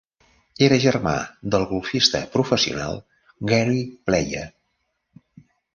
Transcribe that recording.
Era germà del golfista professional Gary Player.